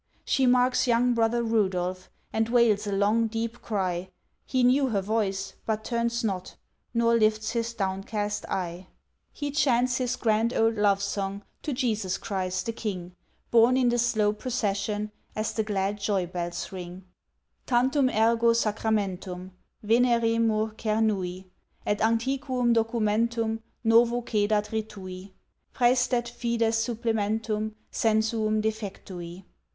She marks young Brother Rudolph, And wails a long deep cry; He knew her voice, but turns not, Nor lifts his downcast eye; He chants his grand old love song To Jesus Christ the King, Borne in the slow procession, As the glad joy bells ring:— "Tantum ergo Sacramentum, Veneremur cernui; Et antiquum documentum, Novo cedat ritui; Præstet fides supplementum, Sensuum defectui."